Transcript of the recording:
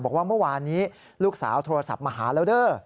บอกว่าเมื่อวานนี้ลูกสาวโทรศัพท์มาหาแล้วเด้อ